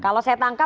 kalau saya tangkap